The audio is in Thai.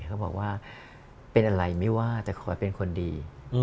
เขาบอกว่าเป็นอะไรไม่ว่าแต่ขอเป็นคนดี